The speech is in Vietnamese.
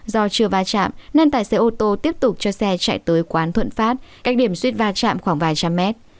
do chưa va chạm nên tài xế ô tô tiếp tục cho xe chạy tới quán thuận phát cách điểm suýt va chạm khoảng vài trăm mét